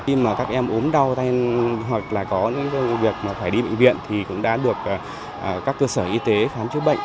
khi mà các em ốm đau hay là có những việc phải đi bệnh viện thì cũng đã được các cơ sở y tế khám chứa bệnh